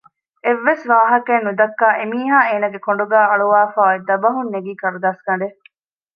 އެއްވެސް ވާހަކައެއް ނުދައްކާ އެމީހާ އޭނަގެ ކޮނޑުގައި އަޅުވާފައި އޮތް ދަބަހުން ނެގީ ކަރުދާސްގަޑެއް